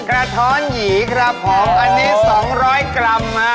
กระท้อนหยีครับผมอันนี้๒๐๐กรัมฮะ